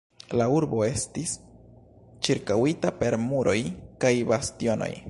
La urbo estis ĉirkaŭita per muroj kaj bastionoj.